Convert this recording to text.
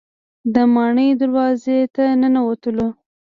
د ماڼۍ دروازې ته ننوتلو.